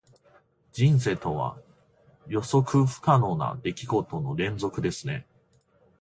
人生とは、予測不可能な出来事の連続ですね。